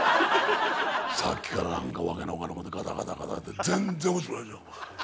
さっきから何か訳の分かんないことガタガタガタって全然面白くないんじゃお前。